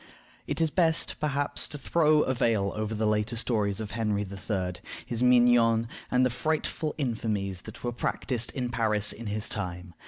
It is best, perhaps, to throw a veil over the later stories of Henry III., his mignons, and the frightful infamies that were practiced in Paris in his time.